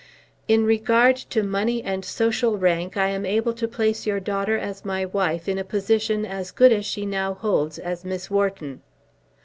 "In regard to money and social rank I am able to place your daughter as my wife in a position as good as she now holds as Miss Wharton."